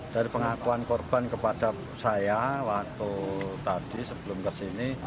dari pengakuan korban kepada saya waktu tadi sebelum kesini